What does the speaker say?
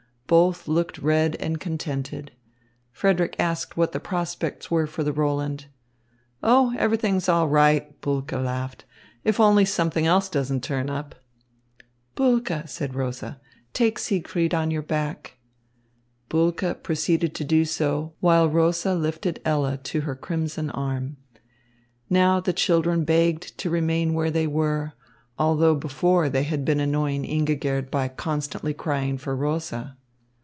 Both looked red and contented. Frederick asked what the prospects were for the Roland. "Oh, everything's all right," Bulke laughed, "if only something else doesn't turn up." "Bulke," said Rosa, "take Siegfried on your back." Bulke proceeded to do so, while Rosa lifted Ella to her crimson arm. Now the children begged to remain where they were, although before they had been annoying Ingigerd by constantly crying for Rosa.